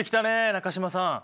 中島さん！